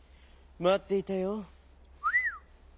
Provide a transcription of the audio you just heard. まっていたよ」。